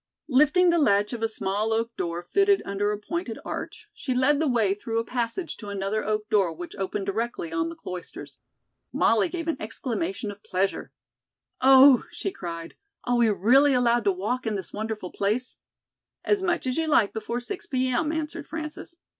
Lifting the latch of a small oak door fitted under a pointed arch, she led the way through a passage to another oak door which opened directly on the Cloisters. Molly gave an exclamation of pleasure. "Oh," she cried, "are we really allowed to walk in this wonderful place?" "As much as you like before six P. M.," answered Frances.